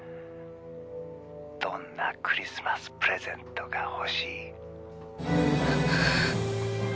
☎どんなクリスマスプレゼントが欲しい？